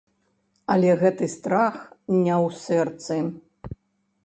Але гэты страх не ў сэрцы.